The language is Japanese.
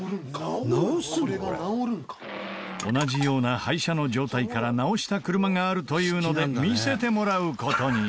同じような廃車の状態から直した車があるというので見せてもらう事に。